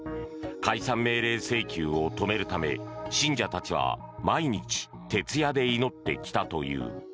解散命令請求を止めるため信者たちは毎日徹夜で祈ってきたという。